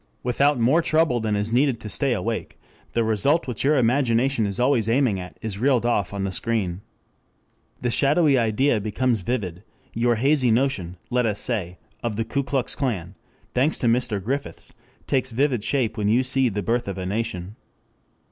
Without more trouble than is needed to stay awake the result which your imagination is always aiming at is reeled off on the screen. The shadowy idea becomes vivid; your hazy notion, let us say, of the Ku Klux Klan, thanks to Mr. Griffiths, takes vivid shape when you see the Birth of a Nation.